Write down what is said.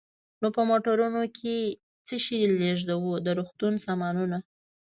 نو په موټرونو کې څه شی لېږدوو؟ د روغتون سامانونه.